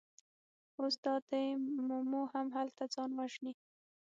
اوس دا دی مومو هم هملته ځان وژني.